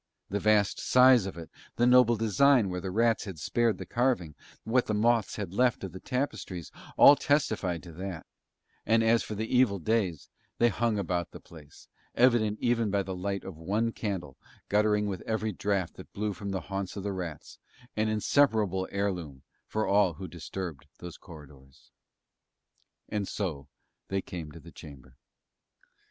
The vast size of it, the noble design where the rats had spared the carving, what the moths had left of the tapestries, all testified to that; and, as for the evil days, they hung about the place, evident even by the light of one candle guttering with every draught that blew from the haunts of the rats, an inseparable heirloom for all who disturbed those corridors. And so they came to the chamber.